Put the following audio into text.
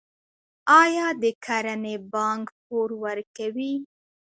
آیا د کرنې بانک پور ورکوي؟